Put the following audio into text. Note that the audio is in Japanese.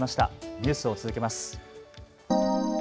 ニュースを続けます。